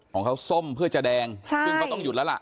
ของเขาส้มเพื่อจะแดงซึ่งเขาต้องหยุดแล้วล่ะ